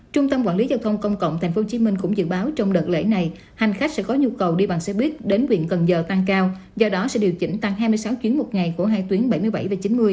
trung tâm quản lý giao thông công cộng tp hcm cũng dự báo trong đợt lễ này hành khách sẽ có nhu cầu đi bằng xe buýt đến viện cần giờ tăng cao do đó sẽ điều chỉnh tăng hai mươi sáu chuyến một ngày của hai tuyến bảy mươi bảy và chín mươi